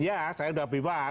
ya saya udah bebas